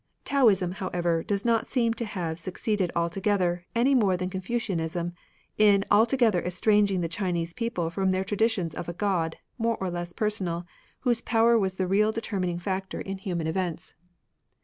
Taoism, however, does not seem to have suc ceeded altogether, any more than Confucianism, in altogether estranging the Chinese people from their traditions of a God, more or less personal, whose power was the real determining factor in human 50 MATERIALISM events.